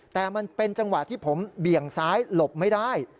แต่มันเป็นจังหวะที่ผมเบี่ยงซ้ายหลบไม่ได้